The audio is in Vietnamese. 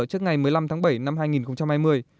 trước ngày một mươi năm tháng bảy năm hai nghìn hai mươi